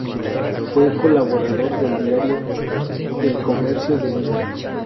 Fue colaborador del diario "El Comercio" de Lima.